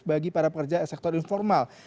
bagi para pekerja sektor informal